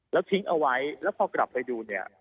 แล้วทิ้งเอาไว้แล้วพอกลับไปดูเนี่ย